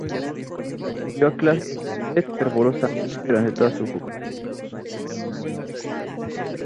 Acudió a clases de ballet fervorosamente durante toda su juventud; no faltó a ninguna.